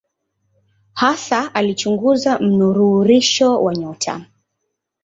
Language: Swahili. Hasa alichunguza mnururisho wa nyota.